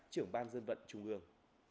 trưởng ban dân vận trung ương